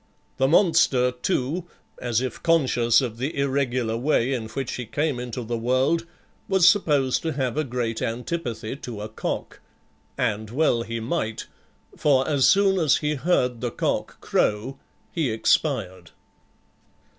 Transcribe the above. The monster, too, as if conscious of the irregular way in which he came into the world, was supposed to have a great antipathy to a cock; and well he might, for as soon as he heard the cock crow he expired.